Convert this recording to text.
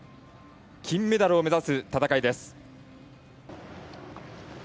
金メダルを目指す戦いです。